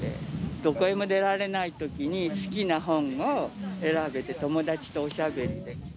どこへも出られないときに、好きな本を選べて、友達とおしゃべりできて。